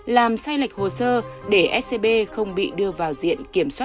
làm sai lệch hồ sơ để scb không bị đưa vào diện